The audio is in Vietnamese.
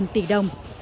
bốn mươi tỷ đồng